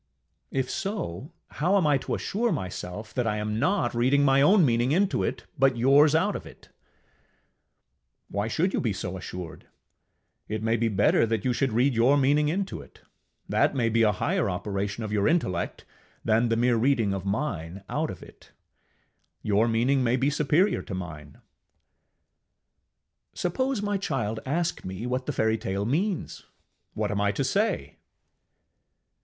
ŌĆ£If so, how am I to assure myself that I am not reading my own meaning into it, but yours out of it? ŌĆØ Why should you be so assured? It may be better that you should read your meaning into it. That may be a higher operation of your intellect than the mere reading of mine out of it: your meaning may be superior to mine. ŌĆ£Suppose my child ask me what the fairytale means, what am I to say?